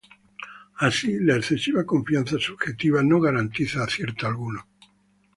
Así, la excesiva confianza subjetiva no garantiza acierto alguno.